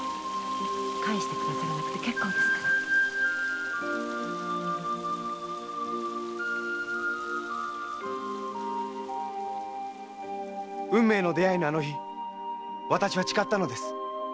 返してくださらなくて結構ですから〕運命の出会いのあの日私は誓ったのです。